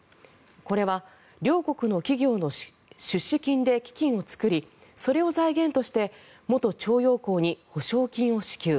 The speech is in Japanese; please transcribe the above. これは両国の企業の出資金で基金を作りそれを財源として元徴用工に補償金を支給。